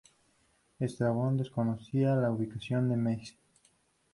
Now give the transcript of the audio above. Estrabón desconocía la ubicación de Mese.